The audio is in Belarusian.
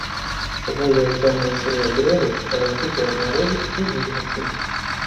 Голыя цёмныя сырыя дрэвы, раздутыя ад марозу і вільгаці.